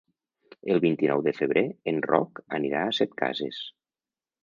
El vint-i-nou de febrer en Roc anirà a Setcases.